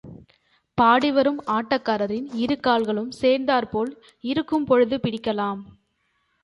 பாடி வரும் ஆட்டக்காரரின் இரு கால்களும் சேர்ந்தாற்போல் இருக்கும்பொழுது பிடிக்கலாம்.